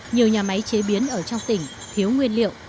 nhiều nhà máy chế biến ở trong tỉnh thiếu nguyên liệu